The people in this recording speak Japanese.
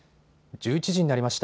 １１時になりました。